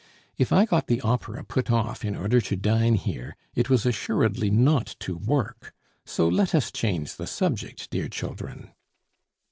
If I got the opera put off in order to dine here, it was assuredly not to work. So let us change the subject, dear children."